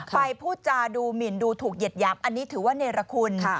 พูดจาดูหมินดูถูกเหยียดหยามอันนี้ถือว่าเนรคุณ